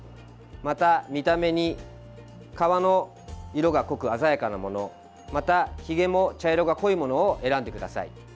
また、見た目に皮の色が濃く鮮やかなものまた、ひげも茶色が濃いものを選んでください。